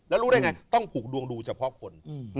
แล้วรู้ได้ไงต้องผูกดวงดูเฉพาะคน